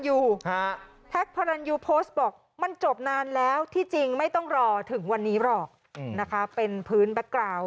ดูดิดูออกเหรอคนไหนตังโมคนไหนน่า